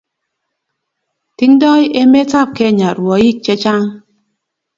tingdoi emetab kenya rwoik che chang'